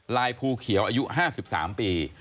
ลายภูเขียวอายุ๕๓ปี